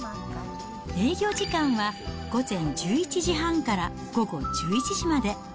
営業時間は午前１１時半から午後１１時まで。